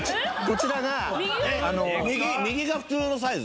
ちらが右が普通のサイズ？